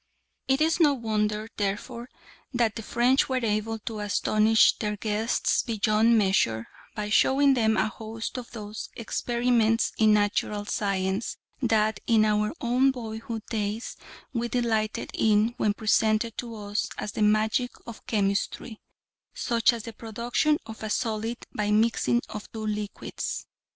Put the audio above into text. It is no wonder, therefore, that the French were able to astonish their guests beyond measure by showing them a host of those "experiments in natural science" that in our own boyhood days we delighted in when presented to us as the "magic of chemistry," such as the production of a solid by the mixing of two liquids.